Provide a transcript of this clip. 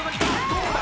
どうだ！？